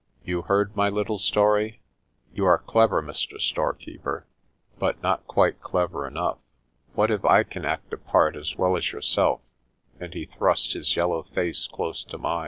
"You heard my little story? You are clever, Mr. Storekeeper, but not quite clever enough. What if I can act a part as well as yourself?" And he thrust his yellow face close to mine.